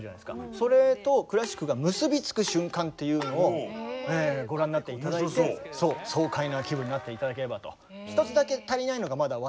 それとクラシックが結び付く瞬間っていうのをご覧になって頂いて爽快な気分になって頂ければと。